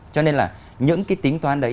cho nên là những cái tính toán đấy